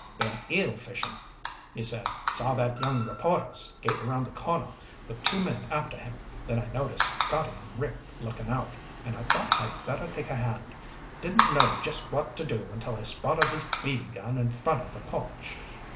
"Been eel fishing," he said. "Saw that young reporter skate around the corner with two men after him. Then I noticed Scotty and Rick looking out, and I thought I better take a hand. Didn't know just what to do until I spotted this BB gun in front of the porch."